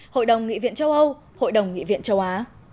hội đồng nghị viện châu âu hội đồng nghị viện châu á